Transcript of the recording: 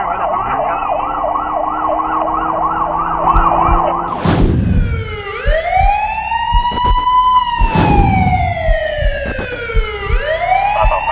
กิ๊ดซ้ายไปก่อนนะครับฉุกเฉินเท่ากันแม่นะครับ